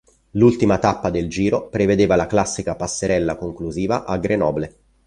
L'ultima tappa del Giro prevedeva la classica passerella conclusiva a Grenoble.